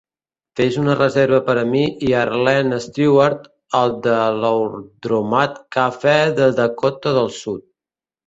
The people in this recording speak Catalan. Fes una reserva per a mi i arlene stewart al The Laundromat Cafe de Dakota del Sud